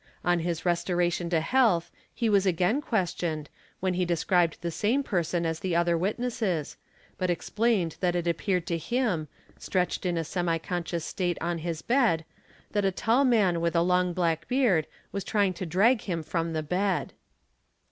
On his restoration to health, he was again questioned, when he described the same person as the other | witnesses, but explained that it appeared to him, stretched in a semi Fe onscious state on his bed, that a tall man with a long black beard was ; trying to drag him from the bed.